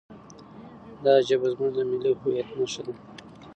دا ژبه زموږ د ملي هویت نښه ده.